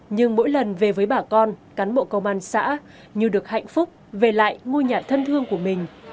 nhưng mỗi lần về với bà con cán bộ công an xã như được hạnh phúc về lại ngôi nhà thân thương của mình